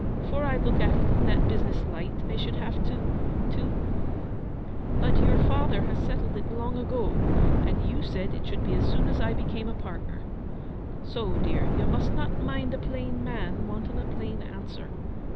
Before I look at it in that business light I should have to—to—' 'But your father has settled it long ago, and you said it should be as soon as I became a partner. So, dear, you must not mind a plain man wanting a plain answer.